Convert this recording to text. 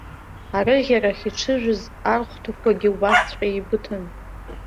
Арыӷьарахь иҽыжәыз архәҭақәагьы убасҵәҟьа еибыҭан.